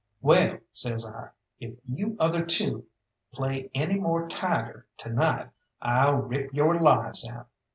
"Well," says I, "if you other two play any more tiger to night, I'll rip your lives out.